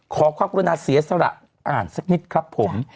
ขอความกรุณาเสียสละอ่านสักนิดครับผม